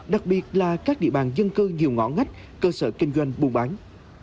đặc biệt là các địa bàn dân cư nhiều ngõ ngắt cơ sở kinh doanh buôn bánh